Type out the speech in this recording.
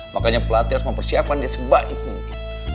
makanya pelatih harus mempersiapkan dia sebaik mungkin